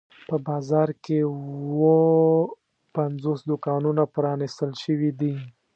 په بازار کې اووه پنځوس دوکانونه پرانیستل شوي دي.